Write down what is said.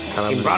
salam bang jokowi